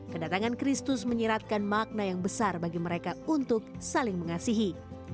kedatangan kristus menyiratkan makna yang besar bagi mereka untuk saling mengasihi